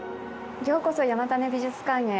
ようこそ山種美術館へ。